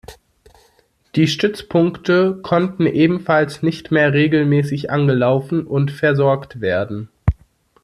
Die Stützpunkte konnten ebenfalls nicht mehr regelmäßig angelaufen und versorgt werden.